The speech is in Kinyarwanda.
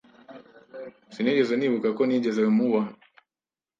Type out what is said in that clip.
Sinigeze nibuka ko nigeze mubona.